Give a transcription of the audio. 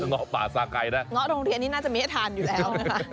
งเตรียนนี่น่าจะไม่ให้ทานอยู่แล้ว